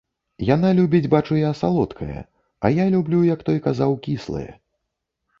Яна любіць, бачу я, салодкае, а я люблю, як той казаў, кіслае.